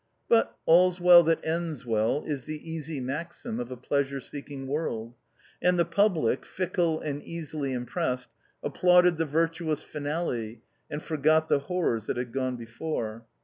But, all's well that ends well, is the easy maxim of a pleasure seeking world, and the public, fickle and easily impressed, applauded the virtuous finale, and forgot the horrors that had gone before.